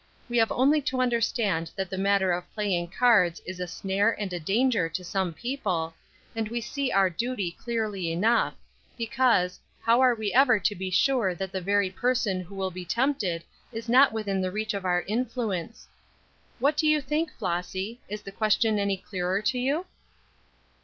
We have only to understand that the matter of playing cards is a snare and a danger to some people, and we see our duty clearly enough, because, how are we ever to be sure that the very person who will be tempted is not within the reach of our influence. What do you think, Flossy? Is the question any clearer to you?"